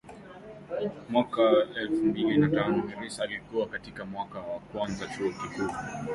Mwaka elfu mbili na tano Harris alikuwa katika mwaka wa kwanza Chuo Kikuu